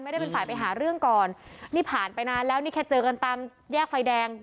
ไม่ได้เป็นฝ่ายไปหาเรื่องก่อนนี่ผ่านไปนานแล้วนี่แค่เจอกันตามแยกไฟแดง